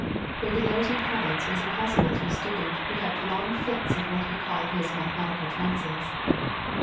Regularity in habits was impossible to a student who had prolonged fits of what he called his mathematical trances.